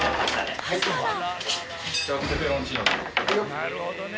なるほどね！